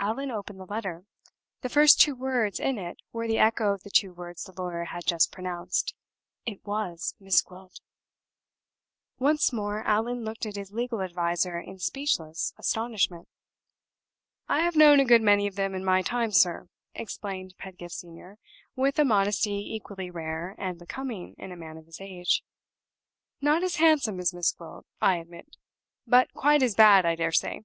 Allan opened the letter. The first two words in it were the echo of the two words the lawyer had just pronounced. It was Miss Gwilt! Once more, Allan looked at his legal adviser in speechless astonishment. "I have known a good many of them in my time, sir," explained Pedgift Senior, with a modesty equally rare and becoming in a man of his age. "Not as handsome as Miss Gwilt, I admit. But quite as bad, I dare say.